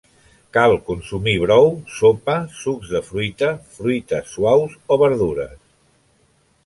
Cal consumir brou, sopa, sucs de fruita, fruites suaus o verdures.